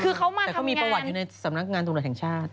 คือเขามาแต่เขามีประวัติอยู่ในสำนักงานตำรวจแห่งชาติ